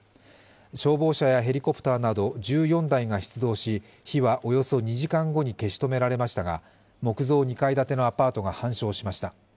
消防車やヘリコプターなど１４台が出動し火はおよそ２時間後に消し止められましたが木造２階建てのアパートが半焼しました。